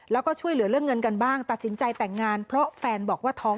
แล้วก็ช่วยเหลือเรื่องเงินกันบ้างตัดสินใจแต่งงานเพราะแฟนบอกว่าท้อง